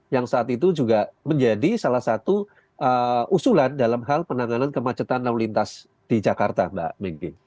yang saat itu juga menjadi salah satu usulan dalam hal penanganan kemacetan lalu lintas di jakarta mbak meggy